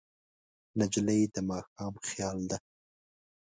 نجلۍ د ماښام خیال ده.